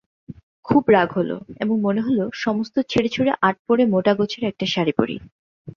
খুব রাগ হল এবং মনে হল সমস্ত ছেড়ে-ছুড়ে আটপৌরে মোটাগোছের একটা শাড়ি পরি।